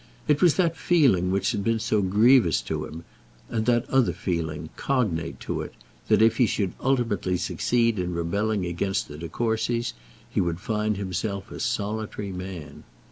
It was that feeling which had been so grievous to him, and that other feeling, cognate to it, that if he should ultimately succeed in rebelling against the De Courcys, he would find himself a solitary man.